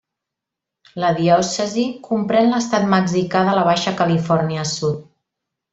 La diòcesi comprèn l'estat mexicà de la Baixa Califòrnia Sud.